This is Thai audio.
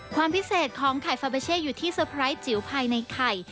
ความพิเศษของไข่ฟาเบเช่อยู่ที่เซอร์ไพรส์จิ๋วภายในไข่